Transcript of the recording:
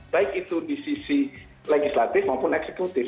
baik itu di sisi legislatif maupun eksekutif